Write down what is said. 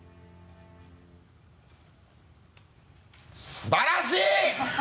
すばらしい！！